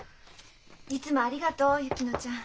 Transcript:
いつもありがとう薫乃ちゃん。